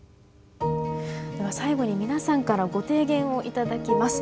では最後に皆さんからご提言を頂きます。